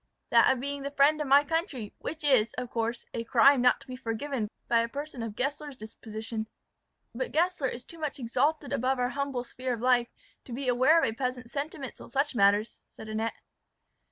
"That of being the friend of my country, which is, of course, a crime not to be forgiven by a person of Gessler's disposition." "But Gessler is too much exalted above our humble sphere of life, to be aware of a peasant's sentiments on such matters," said Annette.